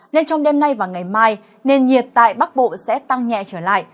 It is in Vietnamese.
nên trong đêm nay và ngày mai nền nhiệt tại bắc bộ sẽ tăng nhẹ trở lại